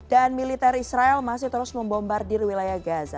dan militer israel masih terus membombardir wilayah gaza